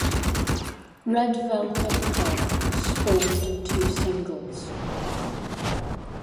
"Red Velvet Car" spawned two singles.